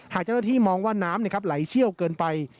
หากเจ้าหน้าที่มองว่าน้ำไหลเชี่ยวเกินไป